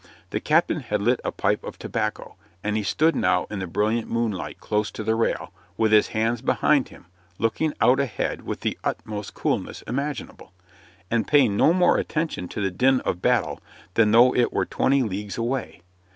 The captain had lit a pipe of tobacco, and he stood now in the bright moonlight close to the rail, with his hands behind him, looking out ahead with the utmost coolness imaginable, and paying no more attention to the din of battle than though it were twenty leagues away.